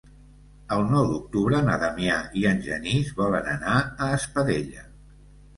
El nou d'octubre na Damià i en Genís volen anar a Espadella.